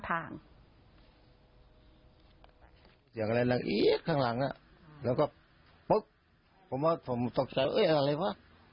เสียงอะไรละเอียดข้างหลังแล้วก็ปุ๊บผมว่าผมตกใจว่าอะไรวะ